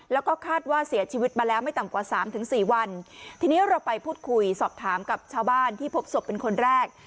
แล้วก็คาดว่าเสียชีวิตมาแล้วไม่ต่ำกว่าสามถึงสี่วันทีนี้เราไปพูดคุยสอบถามกับชาวบ้านที่พบศพเป็นคนแรก